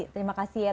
terima kasih ya